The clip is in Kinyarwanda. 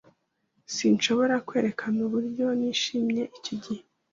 S] Sinshobora kwerekana uburyo nishimiye icyo gihe.